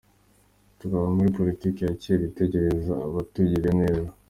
Tukava muri politiki ya kera itegereza abatugirira neza.